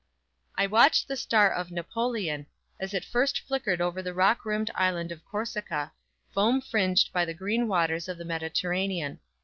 I watched the star of NAPOLEON as it first flickered over the rock rimmed island of Corsica, foam fringed by the green waters of the Mediterranean.